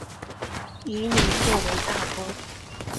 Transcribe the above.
以女性为大宗